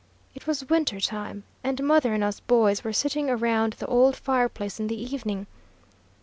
It was winter time, and mother and us boys were sitting around the old fireplace in the evening.